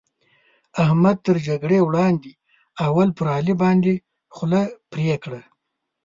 احمد تر جګړې وړاندې؛ اول پر علي باندې خوله پرې کړه.